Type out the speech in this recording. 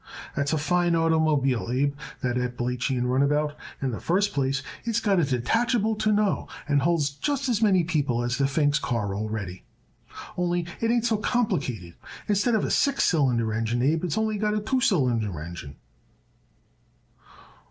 That's a fine oitermobile, Abe, that Appalachian runabout. In the first place, it's got a detachable tonneau and holds just as many people as the Pfingst car already, only it ain't so complicated. Instead of a six cylinder engine, Abe, it's only got a two cylinder engine."